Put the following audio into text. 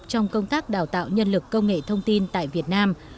trong công tác đào tạo nhân lực công nghệ thông tin tại việt nam